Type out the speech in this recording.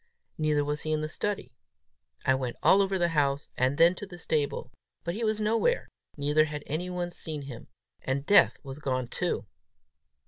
Neither was he in the study. I went all over the house, and then to the stable; but he was nowhere, neither had anyone seen him. And Death was gone too!